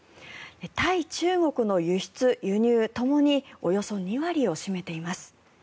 対中国の輸出、輸入ともにおよそ２割を占めています。